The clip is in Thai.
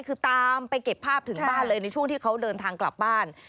คือตามไปเก็บภาพถึงบ้านเลยในช่วงที่เขาเดินทางกลับบ้าน